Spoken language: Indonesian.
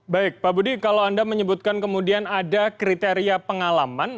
baik pak budi kalau anda menyebutkan kemudian ada kriteria pengalaman